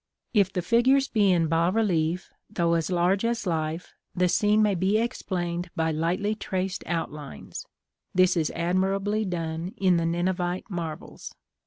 If the figures be in bas relief, though as large as life, the scene may be explained by lightly traced outlines: this is admirably done in the Ninevite marbles.